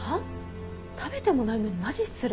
食べてもないのにマジ失礼。